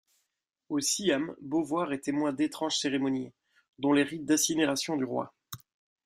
Au Siam, Beauvoir est témoin d'étranges cérémonies, dont les rites d'incinération du roi.